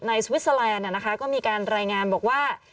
สวิสเตอร์แลนด์ก็มีการรายงานบอกว่า